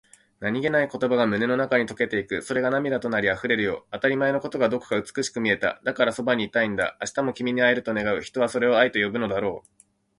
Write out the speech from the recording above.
何気ない言葉が胸の中に溶けていく。それが涙となり、溢れるよ。当たり前のことがどこか美しく見えた。だから、そばにいたいんだ。明日も君に会えると願う、人はそれを愛と呼ぶのだろう。